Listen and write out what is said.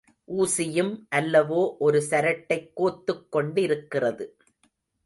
ஊசியும் அல்லவோ ஒரு சரட்டைக் கோத்துக் கொண்டிருக்கிறது.